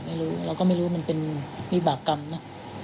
ไม่รู้เราก็ไม่รู้มันเป็นวิบากรรมนะ